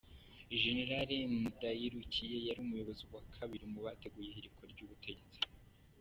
Gen Ndayirukiye yari umuyobozi wa kabiri mu bateguye ihirikwa ry’ubutegetsi.